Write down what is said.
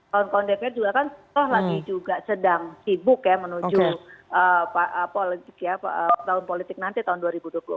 kawan kawan dpr juga kan toh lagi juga sedang sibuk ya menuju tahun politik nanti tahun dua ribu dua puluh empat